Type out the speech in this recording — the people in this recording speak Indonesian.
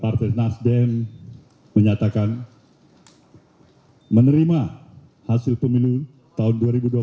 partai nasdem menyatakan menerima hasil pemilu tahun dua ribu dua puluh empat